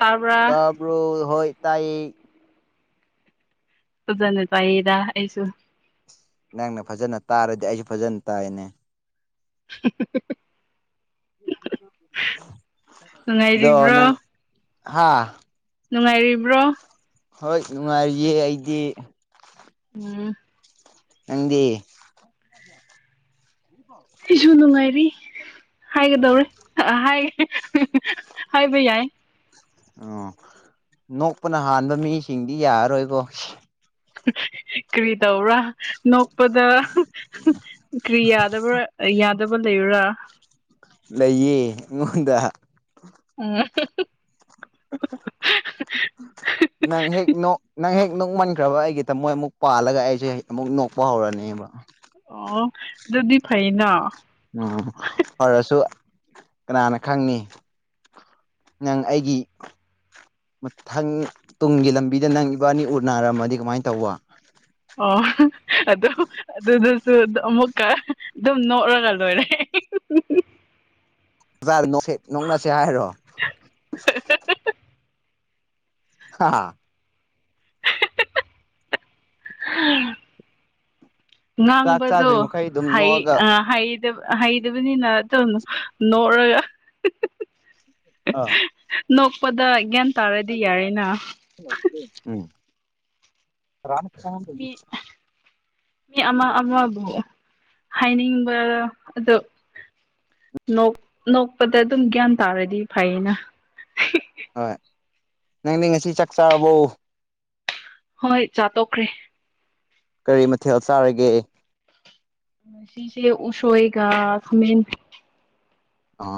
ꯇꯥꯕ꯭ꯔꯥ ꯇꯥꯕ꯭ꯔ ꯍꯣꯏ ꯇꯥꯏ ꯑꯗꯨꯗ ꯅ ꯇꯗ ꯑꯩꯁꯨ ꯅꯪꯅ ꯐꯖꯅ ꯇꯥꯔꯗꯤ ꯑꯩꯁꯨ ꯐꯖꯅ ꯇꯥꯏꯅꯦ [unintelligible] ꯑꯗꯣ ꯅꯨꯡꯉꯥꯏꯔꯤꯕ꯭ꯔꯣ ꯅꯪ ꯍꯥꯥ ꯅꯨꯡꯉꯥꯏꯔꯤꯕ꯭ꯔꯣ ꯍꯣꯏ ꯅꯨꯡꯉꯥꯏꯔꯤꯌꯦ ꯑꯩꯗꯤ ꯎꯝ ꯑꯗꯤ ꯏꯁꯨ ꯅꯨꯡ ꯉꯥꯏꯔꯤ ꯍꯥꯏꯒꯗꯧꯔꯦ ꯍꯥꯏꯕ ꯌꯥꯏ ꯑꯣ ꯅꯣꯛꯄꯅ ꯍꯥꯟꯕ ꯃꯤꯁꯤꯡꯗꯤ ꯌꯥꯔꯔꯣꯏꯕꯣ ꯀꯔꯤ ꯇꯧꯔꯥ ꯅꯣꯛꯄꯗ ꯀꯔꯤ ꯌꯥꯗꯕ꯭ꯔꯥ ꯌꯥꯗꯕ ꯂꯩꯕꯔꯥ ꯂꯩꯌꯦ ꯑꯩꯉꯣꯟꯗ ꯎꯝ ꯑ [unintelligible] ꯅꯪ ꯍꯦꯛ ꯅꯪ ꯍꯦꯛ ꯅꯣꯛꯃꯟꯈ꯭ꯔꯕ ꯑꯩꯒꯤ ꯇꯃꯣꯏ ꯑꯃꯨꯛ ꯄꯥꯜꯂꯒ ꯑꯩꯁꯦꯦꯛ ꯑꯃꯨꯛ ꯅꯣꯛꯄ ꯍꯧꯔꯅꯦꯕ ꯑꯣ ꯑꯗꯨꯗꯤ ꯐꯩꯅ ꯎꯝ ꯐꯔꯁꯨ ꯀꯅꯥꯅ ꯈꯪꯅꯤ ꯅꯪ ꯑꯩꯒꯤ ꯃꯊꯪ ꯇꯨꯡꯒꯤ ꯂꯝꯕꯤꯗ ꯅꯪ ꯏꯕꯥꯅꯤ ꯎꯠ ꯅꯥꯔꯝꯃꯗꯤ ꯀꯃꯥꯏꯅ ꯇꯧꯕ ꯑꯣ ꯑꯗꯨ ꯑꯗꯨꯗꯨꯁꯨ ꯑꯃꯨꯛꯀ ꯑꯗꯨꯝ ꯅꯣꯛꯂꯒ ꯂꯣꯏꯔꯦ [unintelligible] ꯌꯥ ꯅ ꯅꯣꯡꯅꯁꯤꯦ ꯍꯥꯏꯔꯣ ꯑ ꯑ ꯆꯥꯛ ꯉꯥꯡꯕꯗꯣ ꯆꯥꯗ꯭ꯔꯤ ꯃꯈꯩ ꯑꯗꯨꯝ ꯅꯣꯛꯑꯒ ꯍꯩꯇꯕꯅꯤꯅ ꯇꯧꯅꯨ ꯅꯣꯛꯔꯒ ꯑꯥ ꯅꯣꯛꯄꯗ ꯒ꯭ꯌꯥꯟ ꯇꯥꯔꯗꯤ ꯌꯥꯔꯦꯅ ꯔꯝꯆꯟꯗ ꯃꯤ ꯃꯤ ꯑꯃ ꯑꯃꯕꯨ ꯍꯥꯏꯅꯤꯡꯕ ꯑꯣ ꯅꯣꯛꯄꯗ ꯑꯗꯨꯝ ꯒ꯭ꯌꯥꯟ ꯇꯥꯔꯗꯤ ꯐꯩꯌꯦꯅ ꯍꯣꯏ ꯅꯪꯗꯤ ꯉꯁꯤ ꯆꯥꯛ ꯆꯥꯔꯕꯧ ꯍꯣꯏ ꯆꯥꯠꯇꯣꯛꯈ꯭ꯔꯦ ꯀꯔꯤ ꯃꯊꯦꯜ ꯆꯥꯔꯒꯦ ꯉꯥꯁꯤꯁꯦ ꯎꯁꫭꯏꯒ ꯈꯥꯃꯦꯟ ꯑꯥ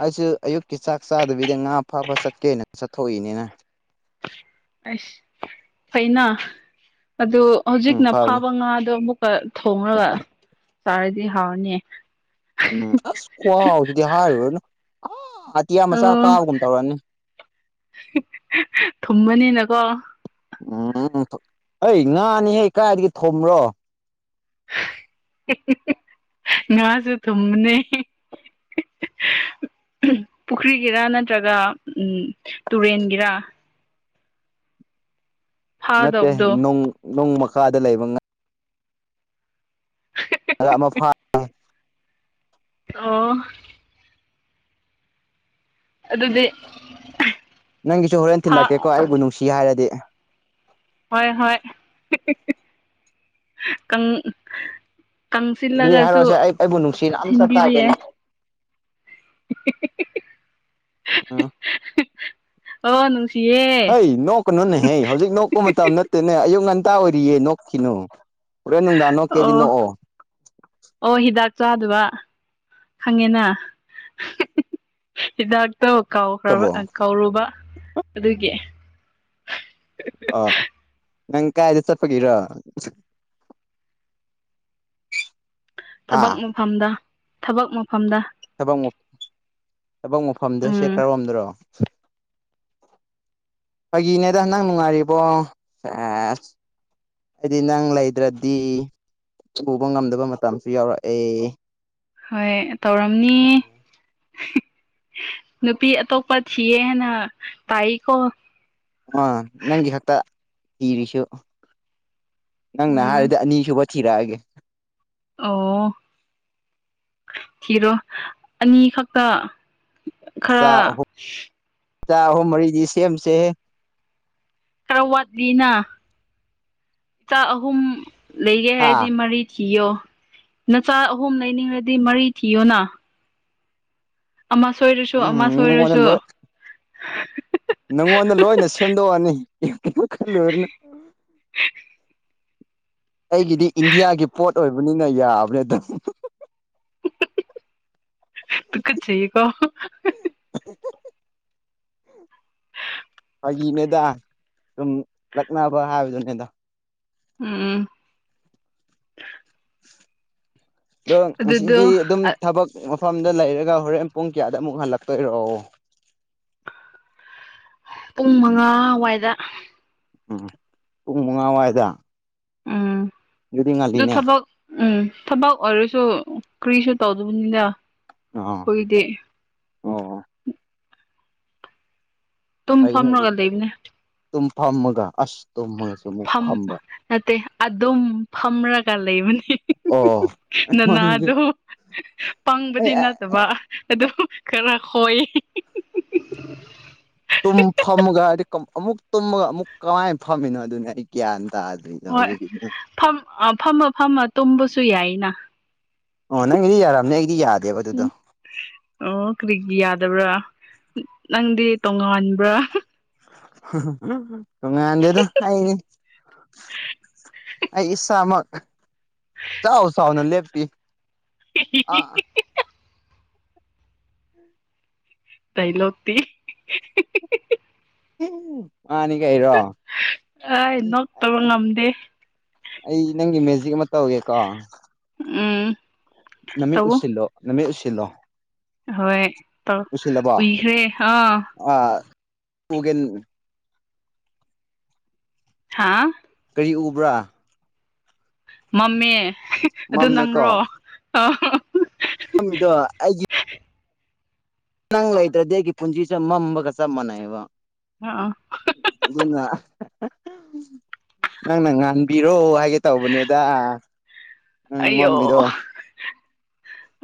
ꯑꯩꯁꯨ ꯑꯌꯨꯛꯀꯤ ꯆꯥꯛ ꯆꯥꯗꯕꯤꯗ ꯉꯥ ꯐꯥꯕ ꯆꯠꯀꯦꯅ ꯆꯠꯊꯣꯛꯏꯅꯤꯅꯦ [unintelligible] ꯑꯁ ꯐꯩꯅ ꯑꯗꯨ ꯎꯝ ꯍꯧꯖꯤꯛꯅ ꯐꯕꯅꯦ ꯐꯥꯕ ꯉꯥꯗꯣ ꯑꯃꯨꯛ ꯊꯣꯉꯒ ꯆꯥꯔꯗꯤ ꯍꯥꯎꯔꯅꯤ ꯎꯝ ꯑꯁ ꯈꯨꯍꯥꯎꯗꯤ ꯍꯥꯔꯨꯔꯥꯅꯨ ꯑꯣ ꯊꯨꯝꯃꯅꯤꯅꯀꯣ ꯎꯝ ꯑꯩ ꯉꯥꯅꯤꯍꯦ ꯀꯥꯏꯔꯥꯏꯗꯒꯤ ꯊꯣꯕ꯭ꯔꯣ ꯉꯁꯨ ꯊꯨꯝꯅꯤ ꯄꯨꯈ꯭ꯔꯤꯒꯤꯔ ꯅꯠꯇ꯭ꯔꯒ ꯎꯝ ꯇꯨꯔꯦꯟꯒꯤꯔ ꯅꯠꯇꯦ ꯐꯥꯗꯧꯕꯗꯣ ꯅꯣꯡ ꯅꯣꯡ ꯃꯈꯥꯗ ꯂꯩꯕ ꯉꯥ ꯑꯃ ꯐꯥ ꯑꯣ ꯑꯗꯨꯗꯤ ꯅꯪꯒꯤꯁꯨ ꯍꯣꯔꯦꯟ ꯐꯥ ꯊꯤꯜꯂꯛꯀꯦꯀꯣ ꯑꯩꯕꯨ ꯅꯨꯡꯁꯤ ꯍꯥꯏꯔꯗꯤ ꯍꯣꯏ ꯍꯣꯏ ꯀꯪ ꯑꯗꯨꯗꯤ ꯀꯪꯁꯤꯜꯂꯒꯁꯨ ꯍꯥꯏꯔꯣꯁꯦ ꯑꯩ ꯑꯩꯕꯨ ꯅꯨꯡꯁꯤꯅ ꯑꯝꯇ ꯊꯤꯟꯕꯤꯕ ꯇꯥꯒꯦꯅꯦ ꯌꯥꯏ [unintelligible] ꯑꯥ ꯑꯣ ꯅꯅꯨꯡ ꯍꯩ ꯅꯣꯛꯀꯅꯨꯅꯦꯍꯦ ꯍꯧꯖꯤꯛ ꯅꯣꯛꯄ ꯃꯇꯝ ꯅꯠꯇꯦꯅꯦ ꯑꯌꯨꯛ ꯉꯟꯇꯥ ꯑꯣꯏꯔꯤꯌꯦ ꯅꯣꯛꯈꯤꯅꯨ ꯄꯨꯔꯦ ꯅꯨꯡꯗꯥꯅꯣ ꯀꯦꯖꯤ ꯑꯣ ꯅꯣꯛꯑꯣ ꯑꯣ ꯍꯤꯗꯥꯛ ꯆꯥꯗꯕ ꯈꯪꯉꯦꯅ ꯍꯤꯗꯥꯛ ꯇ ꯀꯥꯎꯈ꯭ꯔꯕ ꯈ꯭ꯔꯕꯣ ꯀꯧꯔꯨꯕ ꯑꯗꯨꯒꯤ ꯑ ꯅꯪ ꯀꯥꯏꯗ ꯆꯠꯄꯒꯤꯔꯣ ꯊꯕꯛ ꯃꯐꯝꯗ ꯊꯕꯛ ꯃꯐꯝꯗ ꯊꯕꯛꯐꯝ ꯊꯕꯛ ꯃꯐꯝꯗ ꯁꯦ ꯎꯝ ꯈꯔꯔꯣꯝꯗ꯭ꯔꯣ ꯐꯒꯤꯅꯦꯗ ꯅꯟ ꯅꯪ ꯅꯨꯡꯉꯥꯏꯔꯤꯕꯣ ꯑ ꯍꯥꯏꯗꯤ ꯅꯪ ꯂꯩꯗ꯭ꯔꯗꯤ ꯁꯨꯕꯥ ꯉꯝꯗꯕ ꯃꯇꯝꯁꯨ ꯌꯥꯎꯔꯛꯑꯦ ꯍꯣꯏ ꯇꯧꯔꯝꯅꯤ ꯅꯨꯄꯤ ꯑꯇꯣꯞꯄ ꯊꯤꯌꯦ ꯍꯥꯏꯅ ꯇꯥꯏꯀꯣ ꯑꯥ ꯅꯪꯒꯤ ꯈꯛꯇ ꯏꯔꯤꯁꯨ ꯅꯪꯅ ꯎꯝ ꯍꯥꯏꯔꯗꯤ ꯑꯅꯤꯁꯨꯕ ꯊꯤꯔꯛꯑꯒꯦ ꯑꯣ ꯊꯤꯔꯣ ꯑꯅꯤ ꯈꯛꯇ ꯈꯔ ꯆ ꯍꯨ ꯃꯔꯤꯗꯤꯁꯤ ꯑꯦꯝꯁꯦ ꯈꯔ ꯋꯥꯠꯂꯤꯅ ꯏꯆꯥ ꯑꯍꯨꯝ ꯂꯩꯒꯦ ꯍꯥ ꯍꯥꯏꯔꯗꯤ ꯃꯔꯤ ꯊꯤꯌꯣ ꯅꯆꯥ ꯑꯍꯨꯝ ꯂꯩꯅꯤꯡꯉꯗꯤ ꯃꯔꯤ ꯊꯤꯌꯣꯅ ꯑꯃ ꯁꯣꯏꯔꯁꯨ ꯎꯝ ꯑꯃ ꯅꯪꯉꯣꯟꯗ ꯁꯣꯏꯔꯁꯨ ꯂꯣꯏ ꯅꯪꯉꯣꯟꯗ ꯂꯣꯏꯅ ꯁꯦꯝꯗꯣꯛꯑꯅꯤ ꯀꯅꯣ ꯈꯜꯂꯨꯔꯅ ꯑꯩꯒꯤꯗꯤ ꯏꯟꯗꯤꯌꯥꯒꯤ ꯄꯣꯠ ꯑꯣꯏꯕꯅꯤꯅ ꯌꯥꯕꯅꯦ ꯑꯗꯨꯝ ꯇꯨꯒꯠꯆꯩꯀꫭ ꯆ ꯐꯥꯒꯤꯅꯦꯗ ꯁꯨꯝ ꯂꯛꯅꯕ ꯍꯥꯏꯕꯗꯨꯅꯦꯗ ꯎꯝ ꯑꯗꯣ ꯉꯁꯤꯗꯤ ꯑꯗꯨꯗꯣ ꯑꯗꯨꯝ ꯊꯕꯛ ꯃꯐꯝꯗ ꯂꯩꯔꯒ ꯍꯣꯔꯦꯟ ꯄꯨꯡ ꯀꯌꯥꯗ ꯑꯃꯨꯛ ꯍꯜꯂꯛꯇꯣꯏꯔꯛꯑꯣ ꯄꯨꯡ ꯃꯉꯥ ꯑꯗꯨꯋꯥꯏꯗ ꯎꯝ ꯄꯨꯡ ꯃꯉꯥꯋꯥꯏꯗ ꯎꯝ ꯑꯗꯨꯗꯤ ꯑꯗꯨ ꯉꯜꯂꯤꯅꯦ ꯊꯕꯛ ꯎꯝ ꯊꯕꯛ ꯑꯣꯏꯔꯁꯨ ꯀꯔꯤꯁꯨ ꯇꯧꯗꯕꯅꯤꯅ ꯑꯥ ꯑꯩꯈꯣꯏꯒꯤꯗꯤ ꯑꯣ ꯇꯨꯝ ꯐꯩꯅꯦ ꯐꯝꯔꯒ ꯑꯗꯨꯗꯤ ꯂꯩꯕꯅꯦ ꯇꯨꯝ ꯐꯝꯃꯒ ꯑꯁ ꯇꯨꯝꯃꯒꯁꯨ ꯑꯃꯨꯛ ꯐꯝ ꯐꯝꯕ ꯅꯠꯇꯦ ꯑꯗꯨꯝ ꯐꯝꯔꯒ ꯂꯩꯕꯅꯤ ꯑꯣ ꯅꯅꯥ ꯑꯩꯉꯣꯟꯗꯗꯤ ꯑꯗꯨꯣ ꯑꯩ ꯄꯪꯕꯗꯤ ꯅꯠꯇꯕ ꯑꯗꯨꯝ ꯈꯔ ꯍꯣꯏ ꯐꯝꯃꯒ ꯍꯥꯏꯕꯗꯤ ꯑꯃꯨꯛ ꯇꯨꯝꯃꯒ ꯑꯃꯨꯛ ꯀꯃꯥꯏꯅ ꯐꯝꯃꯤꯅꯣ ꯑꯗꯨꯅꯤ ꯑꯩ ꯒ꯭ꯌꯥꯟꯅꯤ ꯍꯣꯏ ꯐꯝꯃ ꯐꯝꯃ ꯇꯨꯝꯕꯁꯨ ꯌꯥꯏꯅ ꯑꯣ ꯅꯪꯒꯤꯗꯤ ꯌꯥꯔꯝꯅꯤ ꯑꯩꯗꯤ ꯌꯥꯗꯦꯕ ꯑꯗꯨꯗꯣ ꯌꯥꯕ꯭ꯔꯥ ꯅꯪꯗꯤ ꯇꯣꯉꯥꯟꯕ꯭ꯔꯥ ꯇꯉꯗꯗ ꯍꯥꯏꯏꯉ ꯑꯩ ꯏꯁꯥꯃꯛ ꯆꯥꯎꯎ ꯆꯥꯎꯥꯎꯅ ꯂꯦꯞꯄꯤ ꯑꯥ ꯇꯩ ꯂꯣꯇ ꯃꯥꯅꯤ ꯀꯩꯔꯣ ꯑꯩ ꯅꯣꯛꯇꯕ ꯉꯝꯗꯦ ꯑꯩ ꯅꯪꯒꯤ ꯃꯦꯖꯤꯛ ꯑꯃ ꯇꯧꯒꯦꯀꯣ ꯎꯝ ꯅꯃꯤ ꯇꯧ ꯎꯁꯤꯂꯣ ꯅꯃꯤ ꯎꯁꯤꯂꯣ ꯍꯣꯏ ꯇꯥꯎ ꯎꯏꯈ꯭ꯔꯦ ꯑꯥ ꯎꯒꯦꯟ ꯍꯥꯥ ꯎ ꯎꯕ꯭ꯔꯥ ꯃꯝꯃꯦ ꯑꯗꯨ ꯅꯪ꯭ꯔꯣ ꯑ ꯊꯝꯃꯤꯗꯣ ꯑꯩꯒꯤ ꯆꯪ ꯂꯩꯗ꯭ꯔꯦ ꯗꯦꯒꯤ ꯄꯨꯟꯁꯤꯁꯤ ꯃꯝꯕ ꯀꯁ ꯃꯅꯥꯏꯕ ꯑꯥ ꯑꯗꯨ ꯅꯪꯅ ꯉꯥꯟꯕꯤꯔꯣ ꯍꯥꯏꯒꯦ ꯇꯧꯕꯅꯦꯗ ꯎꯝ ꯑꯌꯣ ꯃꯃꯤꯗ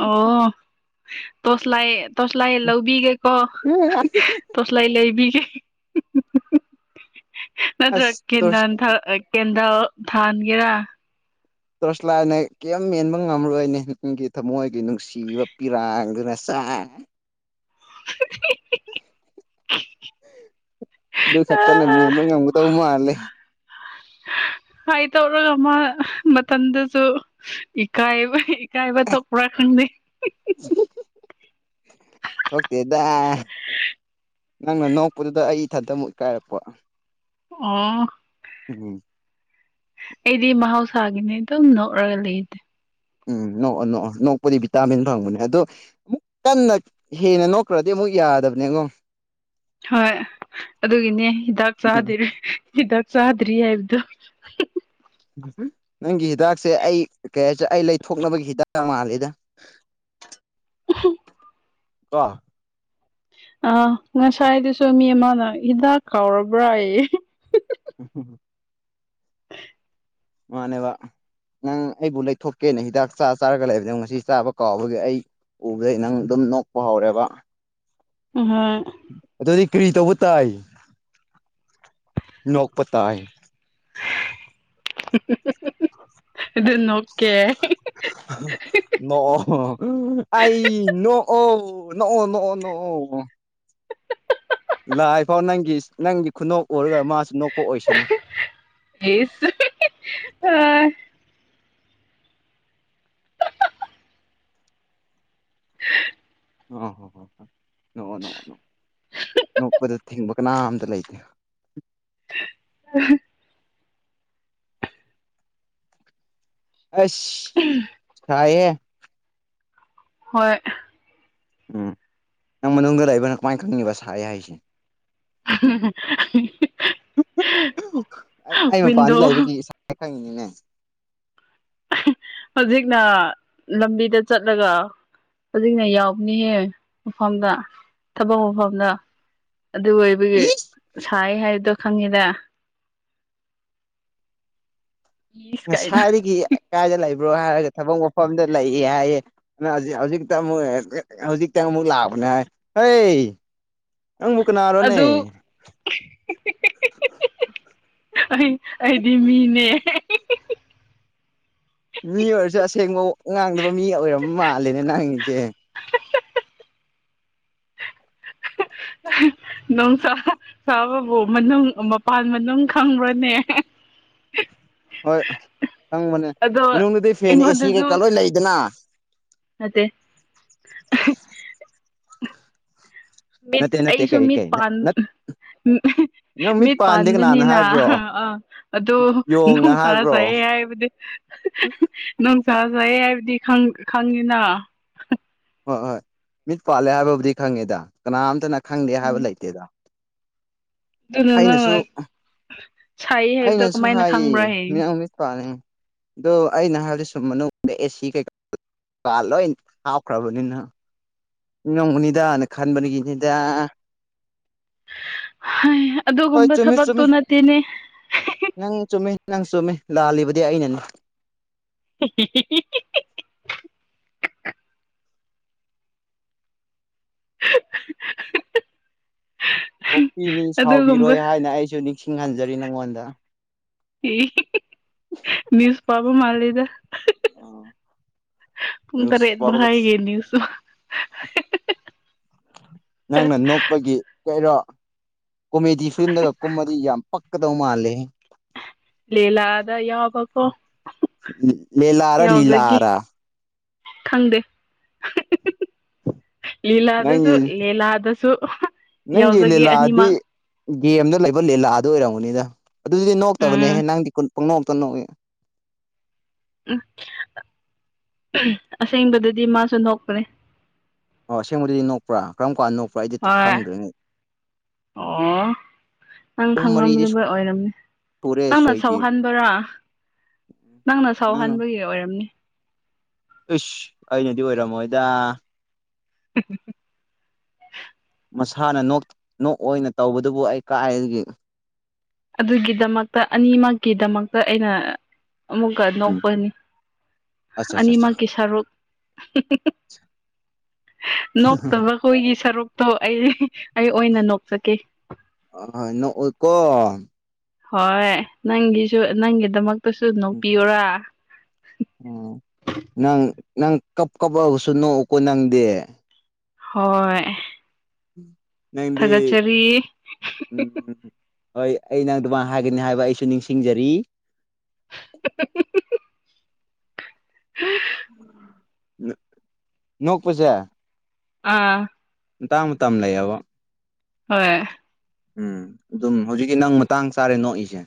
ꯑꯣ ꯇꯁ ꯂꯥꯏ ꯇꯣꯁꯂꯥꯏ ꯂꯧꯕꯤꯒꯦꯀꯣ ꯇꯣꯁꯂꯥꯏ ꯂꯩꯕꯤꯒꯦ ꯅꯠꯇ꯭ꯔ ꯑꯁ ꯇꯣꯔꯁ ꯀꯦꯟꯥꯟ ꯊ ꯀꯦꯟꯗ ꯊꯥꯟꯒꯔꯥ ꯇꯣꯔꯁꯂꯥꯅ ꯀꯔꯤꯝ ꯃꯦꯟꯕ ꯉꯝꯔꯣꯏꯅꯦ ꯅꯪꯒꯤ ꯊꯃꯣꯏꯒꯤ ꯅꯨꯡꯁꯤꯕ ꯄꯤꯔꯥꯡꯗꯨꯅ [unintelligible] [unintelligible] ꯑꯗꯨ ꯈꯛꯇꯅ ꯃꯦꯟꯕ ꯉꯝꯒꯗꯧ ꯃꯥꯜꯂꯦ [unintelligible] ꯍꯥꯏ ꯇꯧꯔꯒ ꯑꯃ ꯃꯇꯝꯗꯁꯨ ꯏꯀꯥꯏꯕ ꯀꯥꯏꯕ ꯊꯄ꯭ꯔꯥ ꯈꯪꯗꯦ ꯑꯣꯀꯦꯗ ꯅꯪꯅ ꯅꯣꯛꯄꯗꯨꯗ ꯑꯩ ꯏꯊꯟꯇ ꯑꯃꯨꯛ ꯏꯀꯥꯏꯔꯛꯄ ꯑꯣ ꯎꯝ ꯑꯩꯗꯤ ꯃꯍꯧꯁꯥꯒꯤꯅꯦ ꯑꯗꯨꯝ ꯅꯣꯛꯔꯒ ꯂꯩꯗꯦ ꯎꯝ ꯅꯣꯛꯑꯣ ꯅꯣꯛꯑꯣ ꯅꯣꯛꯄꯗꯤ ꯚꯤꯇꯥꯃꯤꯟ ꯐꯪꯕꯅꯦ ꯑꯗꯣ ꯑꯃꯨꯛ ꯀꯟꯅ ꯍꯦꯟꯅ ꯅꯣꯛꯈ꯭ꯔꯗꯤ ꯑꯃꯨ ꯑꯃꯨꯛ ꯌꯥꯗꯕꯅꯦ ꯑꯩꯉꯣ ꯍꯣꯏ ꯑꯗꯨꯒꯤꯅꯦ ꯍꯤꯗꯥꯛ ꯎꯝ ꯆꯥꯗꯔꯦꯤ ꯁꯥꯗꯔꯤ ꯏꯕꯗ ꯎ ꯅꯪꯒꯤ ꯍꯤꯗꯥꯛꯁꯦ ꯑꯩ ꯀꯩ ꯍꯥꯏꯦ ꯑꯩ ꯂꯩꯊꯣꯛꯅꯕꯒꯤ ꯍꯤꯗꯥꯛ ꯃꯥꯜꯂꯤꯦꯗ ꯎ ꯀꯥ ꯑꯥ ꯉꯁꯥꯏꯗꯨꯁꯨ ꯃꯤ ꯑꯃꯅ ꯍꯤꯗꯥꯛ ꯀꯥꯎꯔꯕ꯭ꯔꯥ ꯑꯩ ꯎꯝ ꯃꯥꯅꯦꯕ ꯅꯪ ꯑꯩꯕꯨ ꯂꯩꯊꯣꯛꯀꯦꯅ ꯍꯤꯗꯥꯛ ꯆꯥ ꯆꯥꯔꯒ ꯂꯩꯕꯗ ꯉꯁꯤ ꯆꯥꯕ ꯀꯥꯎꯕꯒꯤ ꯑꯩ ꯎꯕꯗꯩ ꯅꯪ ꯑꯗꯨꯝ ꯅꯣꯛꯄ ꯍꯧꯔꯦꯕ ꯎꯝ ꯑꯗꯨꯗꯤ ꯀꯔꯤ ꯇꯧꯕ ꯇꯥꯏ ꯅꯣꯛꯄ ꯇꯥꯏ [unintelligible] ꯑꯗꯨ ꯅꯣꯛꯀꯦ ꯑꯩ ꯅꫭꯛꯑꫭ ꯅꫭꯛꯑꫭ ꯅꫭꯛꯑꫭ ꯅꫭꯛꯑꫭ ꯂꯥꯛꯏꯐꯥꯎ ꯅꯪꯒꯤ ꯅꯪꯒꯤ ꯈꯨꯅꯣꯛ ꯎꯔꯒ ꯃꯥ ꯏꯁ ꯑꯥ ꯑ ꯍꯥ ꯍꯥ ꯅꫭꯛꯄꯗ ꯊꯤꯡꯕ ꯀꯅꯥꯝꯇ ꯂꯩꯇꯦ ꯑ ꯑꯁ ꯎꯝ ꯀꯥꯏꯌꯦ ꯍꯣꯏ ꯎꯝ ꯅꯪ ꯃꯅꯨꯡꯗ ꯂꯩꯕꯅ ꯀꯃꯥꯏꯅ ꯈꯪꯉꯤꯕ ꯁꯥꯏ ꯍꯥꯏꯁꯦ [unintelligible] ꯑꯩ ꯋꯤꯟꯗꯣ ꯃꯄꯥꯟꯅꯤ ꯂꯩꯕꯒꯤ ꯏꯁꯥ ꯈꯪꯉꯤꯅꯤꯅꯦ ꯍꯧꯖꯤꯛꯅ ꯂꯝꯕꯤꯗ ꯆꯠꯂꯒ ꯍꯧꯖꯤꯛꯅ ꯌꯥꯎꯕꯅꯤꯍꯦ ꯃꯐꯝꯗ ꯊꯕꯛ ꯃꯐꯝꯗ ꯑꯗꯨ ꯑꯣꯏꯕꯒꯤ ꯏꯁ ꯁꯥꯏ ꯍꯥꯏꯕꯗꯣ ꯈꯪꯉꯤꯗ ꯏꯁ ꯀꯥꯏꯅ ꯁꯥꯏꯔꯤꯒꯤ ꯀꯥꯖ ꯂꯕ ꯍꯥꯏꯔꯒ ꯊꯕꯛ ꯃꯐꯝꯗ ꯂꯩꯑ ꯍꯥꯏꯌꯦ ꯍꯧ ꯍꯧꯖꯤꯛ ꯑꯃ ꯍꯧꯖꯤꯛꯇ ꯑꯃꯨꯛ ꯂꯥꯛꯑꯕꯅꯤ ꯍꯩ [unintelligible] ꯅꯪꯕꯨ ꯀꯅꯥꯔꯣꯅꯦ ꯑꯗꯨ ꯑꯩ ꯑꯩꯗꯤ ꯃꯤꯅꯦ ꯃꯤ ꯑꯣꯏꯔꯁꯨ ꯑꯁꯦꯡꯕ ꯉꯥꯡꯗꯕ ꯃꯤ ꯑꯣꯏꯔꯝ ꯃꯥꯜꯂꯦꯅꯦ ꯅꯥꯡꯉꯁꯦ [unintelligible] ꯑꯥ ꯅꯨꯡꯁꯥ ꯆꯥꯕꯕꯨ ꯃꯅꯨꯡ ꯃꯄꯥꯟ ꯃꯅꯨꯡ ꯈꯪꯕ꯭ꯔꯅꯦ ꯍꯣꯏ ꯈꯪꯕꯅꯦ ꯑꯗꯣ ꯃꯅꯨꯡꯗꯨꯗꯤ ꯐꯦꯟ ꯑꯦꯁꯤ ꯀꯩꯀꯥ ꯂꯣꯏ ꯂꯩꯗꯅ ꯑ ꯃꯤꯠ ꯅꯠꯇꯦ ꯅꯠꯇꯦ ꯑꯩꯁꯨ ꯀꯩ ꯃꯤꯠ ꯀꯩ ꯄꯥꯟ ꯅꯪ ꯃꯤꯠ ꯄꯥꯟꯗꯦ ꯀꯅꯥꯅ ꯄꯥꯟꯕꯅꯤꯅ ꯍꯥꯏꯕ꯭ꯔꯣ ꯑꯥ ꯑꯣ ꯌꯣꯡꯅ ꯅꯨꯡ ꯁꯥꯥꯅ ꯍꯥꯏꯕ꯭ꯔꯣ ꯁꯥꯏꯑ ꯍꯥꯏ ꯍꯥꯏꯕꯗꯤ ꯅꯨꯡꯁꯖꯩ ꯍꯥꯏꯕꯗꯤ ꯈꯪꯉꯤꯅ ꯍꯣꯏ ꯍꯣꯏ ꯃꯤꯠ ꯄꯥꯜꯂꯦ ꯍꯥꯏꯕꯕꯨꯗꯤ ꯈꯪꯉꯦꯗ ꯀꯅꯥꯝꯇꯅ ꯈꯪꯗꯦ ꯎꯝ ꯍꯥꯏꯕ ꯂꯩꯇꯦꯗ ꯑꯗꯨꯅ ꯅꯪꯅ ꯑꯩꯅꯁꯨ ꯁꯥꯏ ꯍꯥꯏꯕꯗꯣ ꯑꯩꯅꯁꯨ ꯀꯃꯥꯏꯅ ꯍꯥꯏꯌꯦ ꯈꯪꯕ꯭ꯔꯥ ꯍꯦ ꯃꯤꯅꯎꯃꯤꯠ ꯄꯅꯦ ꯑꯗꯣ ꯑꯩꯅ ꯍꯥꯏ ꯑꯗꯨ ꯁꯨꯝ ꯃꯅꯨꯡꯗ ꯑꯦꯁꯤ ꯀꯩꯀꯥ ꯂꯣꯏ ꯍꯥꯎꯈ꯭ꯔꯕꯅꯤꯅ ꯅꯣꯡꯃꯅꯤꯗꯅ ꯈꯟꯕꯅꯤꯒꯤꯅꯤꯗ ꯍꯩ ꯍꯣꯏ ꯑꯗꯨꯒꯨꯝꯕ ꯆꯨꯝꯃꯤ ꯊꯕꯛꯇꯨ ꯆꯨꯝꯃꯤ ꯅꯠꯇꯦꯅꯦ ꯅꯪ ꯆꯨꯝꯃꯤ ꯅꯪ ꯆꯨꯝꯃꯤ ꯂꯥꯜꯂꯤꯕꯗꯤ ꯑꯩꯅꯅꯦ [unintelligible] ꯀꯣꯛꯄꯤꯅꯤ ꯑꯗꯨꯒꯨꯝꯕ ꯁꯥꯎꯕꯤꯔꯣꯏ ꯍꯥꯏꯅ ꯑꯩꯁꯨ ꯅꯤꯡꯁꯤꯡꯍꯟꯖꯔꯤ ꯅꯪꯉꯣꯟꯗ ꯅꯤꯌꯨꯁ ꯄꯥꯕꯥ ꯃꯥꯂꯤꯗ ꯑꯥ ꯄꯨꯡ ꯅ꯭ꯌꯨꯁ ꯇꯔꯦꯠ ꯄꯥꯕꯒ ꯃꯈꯥꯏꯒꯤ ꯅ꯭ꯌꯨꯁꯨ ꯅꯪꯅ ꯅꯣꯛꯄꯒꯤ ꯀꯔꯣ ꯀꯣꯃꯦꯗꯤ ꯐꯤꯂꯝꯗꯒ ꯀꯨꯝꯃꯗꯤ ꯌꯥꯝ ꯄꯛꯀꯗꯧ ꯃꯥꯜꯂꯤꯦ ꯂꯤꯂ ꯑꯗ ꯌꯥꯎꯕꯀꯣ ꯃꯦꯂ ꯑꯔꯥ ꯂꯤꯂ ꯌꯥꯎꯖꯒꯦ ꯑꯔꯥ ꯈꯪꯗꯦ ꯂꯤꯂꯥꯗꯁꯨ ꯅꯪꯒꯤ ꯂꯤꯂꯥꯗꯁꯨ ꯁ ꯅꯪꯒꯤ ꯂꯤꯂꯥꯗꯤ ꯌꯦ ꯑꯦꯝꯗ ꯂꯩꯕ ꯂꯤꯂꯥꯑ ꯑꯗꯨ ꯑꯣꯏꯔꯝꯒꯅꯤꯗ ꯑꯗꯨꯗꯤ ꯅꯣꯛꯇꯕꯅꯦꯍꯦ ꯅꯪꯗꯤꯣ ꯅꯣꯛꯇ ꯅꯣꯛꯏ [unintelligible] ꯎꯝ ꯑꯁꯦꯡꯕꯗꯗꯤ ꯃꯥꯁꯨ ꯅꯣꯛꯄꯅꯦ ꯑꯣ ꯑꯁꯦꯡꯕꯗꯨꯗꯤ ꯅꯣꯛꯄ꯭ꯔꯥ ꯀꯔꯝ ꯀꯥꯟꯗ ꯅꯣꯛꯄ꯭ꯔꯥ ꯑꯩꯗꯤ ꯍꯣꯏ ꯈꯪꯗ꯭ꯔꯤꯉꯩ ꯑꯣ ꯅꯪ ꯑꯍꯨꯝ ꯃꯔꯤꯗꯤ ꯈꯪꯉꯝꯗꯕꯣꯏ ꯑꯣꯏꯔꯝꯅꯤ ꯁꯨꯔꯦ ꯅꯪꯅ ꯑꯩꯗꯤ ꯁꯧꯍꯟꯕꯔꯣ ꯅꯪꯅ ꯁꯥꯎꯍꯟꯕꯒꯤ ꯑꯣꯏꯔꯝꯅꯤ ꯏꯁ ꯑꯩꯅꯗꯤ ꯑꯣꯏꯔꯝꯃꯣꯏꯗ [unintelligible] ꯃꯁꯥꯅ ꯅꯣꯛꯏ ꯑꯣꯏꯅ ꯇꯧꯕꯗꯨꯕꯨ ꯑꯩ ꯀꯥꯏꯒꯤ ꯑꯗꯨꯒꯤꯗꯃꯛꯇ ꯑꯅꯤꯃꯛꯀꯤꯗꯃꯛꯇ ꯑꯩꯅ ꯑꯃꯨꯛꯀ ꯎꯝ ꯅꯣꯛꯄꯅꯤ ꯑꯠꯆꯥ ꯑꯠꯆꯥ ꯑꯠꯆꯥ ꯑꯅꯤꯃꯛꯀꯤ ꯁꯔꯨꯛ ꯅꯣꯛꯇꯕ ꯍꯣꯏꯒꯤ ꯁꯔꯨꯛꯇꯣ ꯑꯩ ꯑꯩ ꯑꯣꯏꯅ ꯅꯣꯛꯆꯒꯦ ꯑ ꯅꯣꯛꯑꯣꯏꯀꯣ ꯍꯣꯏ ꯅꯪꯒꯤꯁꯨ ꯅꯪꯒꯤꯗꯃꯛ ꯎꯝ ꯎ ꯅꯪ ꯅꯪ ꯀꯞ ꯀꯞꯂꯒꯁꯨ ꯅꯣꯛꯎꯀꯣ ꯅꯪꯗꯦ ꯍꯣꯏ ꯅꯪꯗꯤ ꯊꯥꯒꯠꯆꯔꯤ ꯎꯝ ꯍꯣꯏ ꯑꯩ ꯅꯪ ꯑꯗꯨꯃ ꯍꯥꯏꯒꯅꯤ ꯍꯥꯏꯕ ꯑꯩꯁꯨ ꯅꯤꯡꯁꯤꯡꯖꯔꯤ [unintelligible] ꯍꯥ ꯅꯣꯛ ꯄꯁꯦ ꯑꯥ ꯇꯝ ꯇꯝ ꯂꯩ ꯌꯥꯕꯣ ꯍꯣꯏ ꯎꯝ ꯑꯗꯨꯝ ꯍꯧꯖꯤꯛꯀꯤ ꯅꯪ ꯃꯇꯥꯡ ꯆꯥꯔꯦ ꯅꯣꯛꯏꯁꯦ